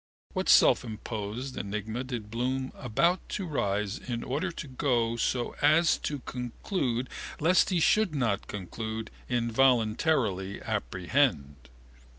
What selfimposed enigma did Bloom about to rise in order to go so as to conclude lest he should not conclude involuntarily apprehend?